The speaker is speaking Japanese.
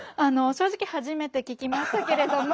正直初めて聞きましたけれども。